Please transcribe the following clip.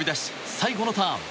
最後のターン。